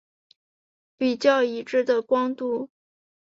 比较已知的光度。